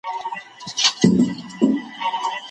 کليوال ژوند ناامنه وګرځېد.